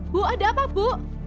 bu ada apa bu